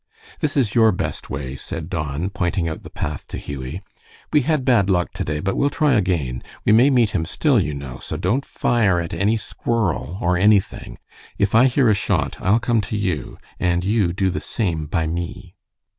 "This is your best way," said Don, pointing out the path to Hughie. "We had bad luck to day, but we'll try again. We may meet him still, you know, so don't fire at any squirrel or anything. If I hear a shot I'll come to you, and you do the same by me."